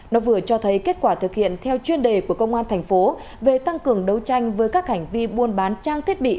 nó vừa cho thấy kết quả thực hiện theo chuyên đề của công an thành phố về tăng cường đấu tranh với các hành vi buôn bán trang thiết bị